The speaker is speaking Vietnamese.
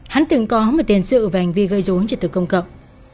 hắn từng có một tiền sự và hành vi gây dối cho tự công cậu